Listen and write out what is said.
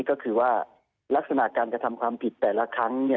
ก็คือว่าลักษณะการกระทำความผิดแต่ละครั้ง